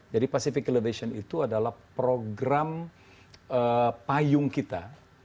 jadi pasifik elevation itu adalah program payung kita